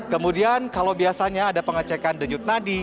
kemudian kalau biasanya ada pengecekan denyut nadi